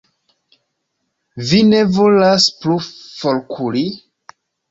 Vi ne volas plu forkuri?